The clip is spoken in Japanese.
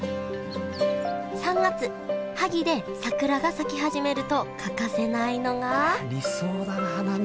３月萩で桜が咲き始めると欠かせないのが理想だな花見。